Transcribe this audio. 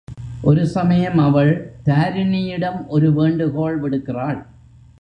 ஒரு சமயம் அவள் தாரிணியிடம் ஒரு வேண்டுகோள் விடுக்கிறாள்.